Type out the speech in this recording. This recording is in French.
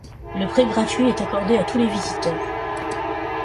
Le prêt gratuit est accordé à tous les visiteurs.